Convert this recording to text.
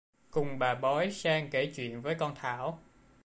cùng với bà bói sang kể chuyện với con thảo